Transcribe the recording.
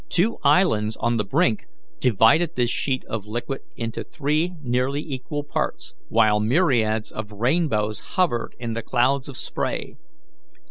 Two islands on the brink divided this sheet of liquid into three nearly equal parts, while myriads of rainbows hovered in the clouds of spray.